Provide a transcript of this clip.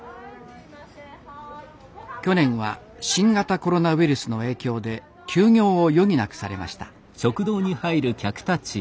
去年は新型コロナウイルスの影響で休業を余儀なくされました。